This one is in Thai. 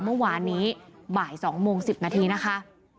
เมื่อวานนี้บ่าย๒โมง๑๐นาทีนะคะ